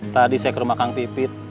tadi saya ke rumah kang pipit